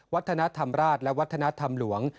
วัฒนธรรมราชและวัฒนธรรมหลวง